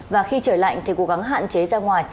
và khi trời lạnh thì cố gắng hạn chế ra ngoài